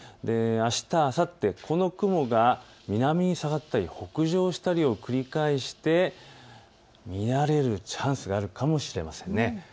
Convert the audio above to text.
あしたあさって、この雲が南に下がったり北上したりを送り返して見られるチャンスがあるかもしれません。